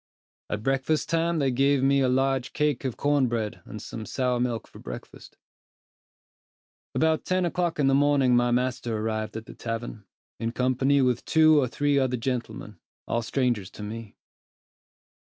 At breakfast time they gave me a large cake of corn bread and some sour milk for breakfast. About ten o'clock in the morning my master arrived at the tavern, in company with two or three other gentlemen, all strangers to me.